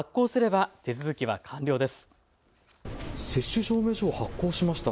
最後に発行すれば手続きは完了です。